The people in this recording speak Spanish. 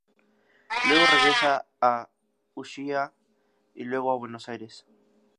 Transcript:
Luego regresa a Ushuaia y luego a Buenos Aires.